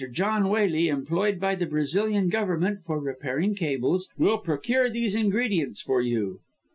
John Waley, employed by the Brazilian Government for repairing cables, will procure these ingredients for you.